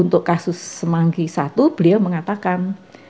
untuk kasus semangki satu beliau mengatakan